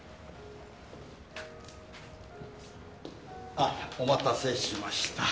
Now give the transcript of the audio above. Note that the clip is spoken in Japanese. ああお待たせしました。